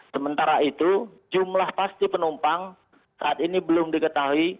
sementara itu jumlah pasti penumpang saat ini belum diketahui